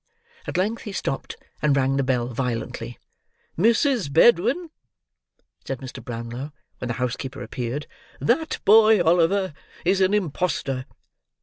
At length he stopped, and rang the bell violently. "Mrs. Bedwin," said Mr. Brownlow, when the housekeeper appeared; "that boy, Oliver, is an imposter."